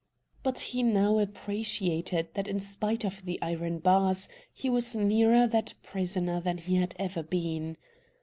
But he now appreciated that in spite of the iron bars he was nearer that prisoner than he had ever been.